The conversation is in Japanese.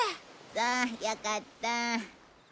そうよかった。